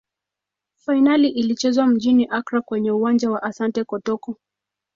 fainali ilichezwa mjini accra kwenye uwanja wa asante kotoko